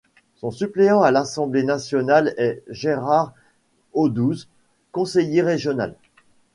Son suppléant à l'Assemblée nationale est Gérard Audouze, conseiller régional.